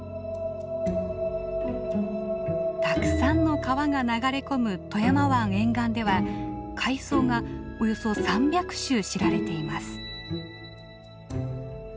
たくさんの川が流れ込む富山湾沿岸では海藻がおよそ３００種知られています。